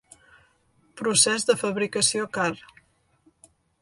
Procés de fabricació car.